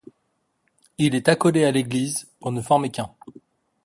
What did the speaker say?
Il est accolé à l'église pour ne former qu'un.